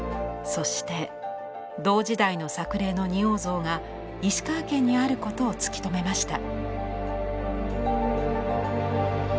そして同時代の作例の仁王像が石川県にあることを突き止めました。